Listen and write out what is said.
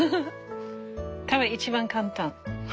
多分一番簡単。